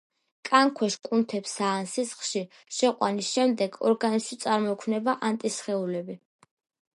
კანქვეშ, კუნთებსა ან სისხლში შეყვანის შემდეგ ორგანიზმში წარმოიქმნება ანტისხეულები.